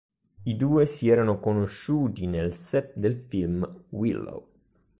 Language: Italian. I due si erano conosciuti nel set del film "Willow.